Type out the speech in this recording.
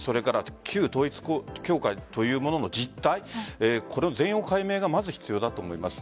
旧統一教会というものの実態全容解明がまず必要だと思います。